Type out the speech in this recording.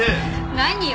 何よ？